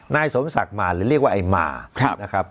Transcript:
นายสมศักดิ์มาหรือเรียกว่าไอ้มานะครับ